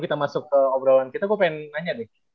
kalau ke obrolan kita gue pengen nanya nih